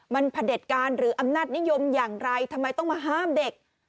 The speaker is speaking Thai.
มันพระเด็จการหรืออำนาจนิยมอย่างไรทำไมต้องมาห้ามเด็ก